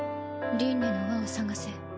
輪廻の輪を探せ。